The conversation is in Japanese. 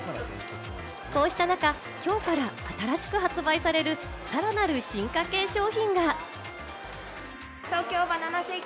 こうした中、きょうから新しく発売される、さらなる進化系商品が。